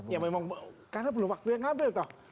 ya memang karena belum waktunya ngambil toh